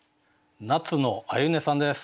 夏野あゆねさんです。